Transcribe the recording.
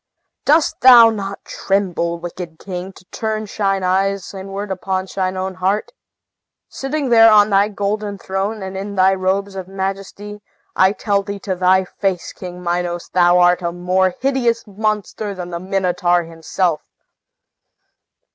Dost thou not tremble, wicked king, to turn thine eyes inward on thine own heart? Sitting there on thy golden throne, and in thy robes of majesty, I tell thee to thy face, King Minos, thou art a more hideous monster than the Minotaur himself!"